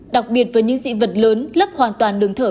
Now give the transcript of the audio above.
đặc biệt với những dị vật lớn lấp hoàn toàn đường thở